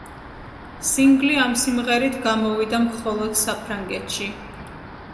სინგლი ამ სიმღერით გამოვიდა მხოლოდ საფრანგეთში.